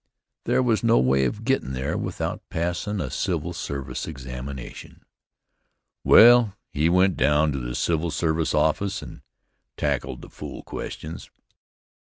There was no way of gettin' there without passin' a civil service examination. Well, he went down to the civil service office and tackled the fool questions.